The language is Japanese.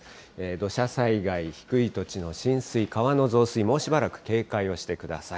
土砂災害、低い土地の浸水、川の増水、もうしばらく警戒をしてください。